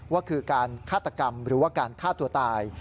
ว่าคือการฆาตกรรมหรือว่าการฆ่าตัวตาย